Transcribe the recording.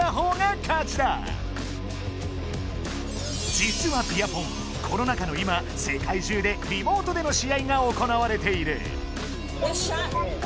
じつはビアポンコロナ禍の今せかいじゅうでリモートでの試合が行われている。